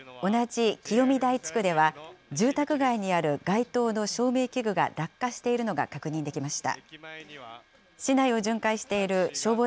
また、同じきよみだい地区では、住宅街にある街灯の照明器具が落下しているのが確認できました。